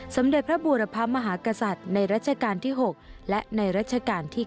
สมเด็จพระบูรพมหากษัตริย์ในรัชกาลที่๖และในรัชกาลที่๙